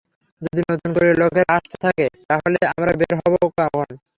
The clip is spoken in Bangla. যদি নতুন করে লোকেরা আসতে থাকে তাহলে আমরা বের হবো কখন?